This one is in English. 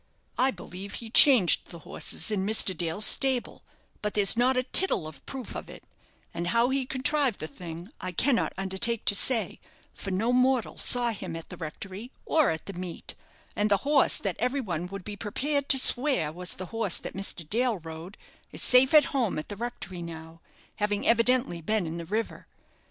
I believe he changed the horses in Mr. Dale's stable; but there's not a tittle of proof of it, and how he contrived the thing I cannot undertake to say, for no mortal saw him at the rectory or at the meet; and the horse that every one would be prepared to swear was the horse that Mr. Dale rode, is safe at home at the rectory now, having evidently been in the river.